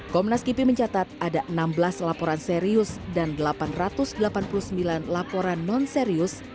komnas kipi mencatat ada enam belas laporan serius dan delapan ratus delapan puluh sembilan laporan non serius